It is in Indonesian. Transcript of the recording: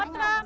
lagi bu teram